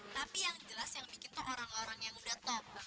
tapi yang jelas yang bikin tuh orang orang yang udah top